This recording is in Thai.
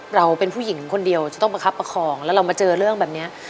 เราเป็นผู้หญิงคนเดียวจะต้องประคับประคองแล้วเรามาเจอเรื่องแบบนี้